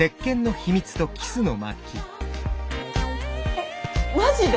えっマジで？